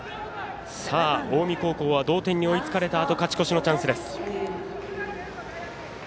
近江高校同点に追いつかれたあと勝ち越しのチャンス。